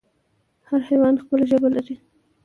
هر حیوان خپله ژبه لري